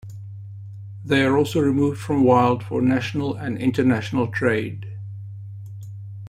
They are also removed from wild for national and international trade.